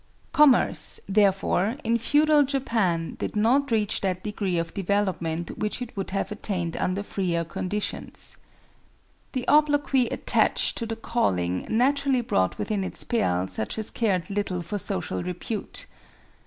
Commerce, therefore, in feudal Japan did not reach that degree of development which it would have attained under freer conditions. The obloquy attached to the calling naturally brought within its pale such as cared little for social repute.